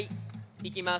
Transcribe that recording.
いきます。